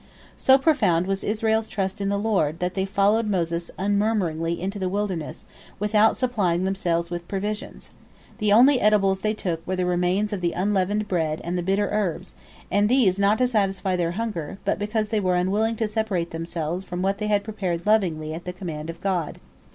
So profound was Israel's trust in the Lord, that they followed Moses unmurmuringly into the wilderness, without supplying themselves with provisions. The only edibles they took were the remains of the unleavened bread and the bitter herbs, and these not to satisfy their hunger, but because they were unwilling to separate themselves from what they had prepared lovingly at the command of God.